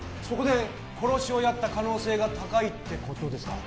そこで殺しをやった可能性が高いってことです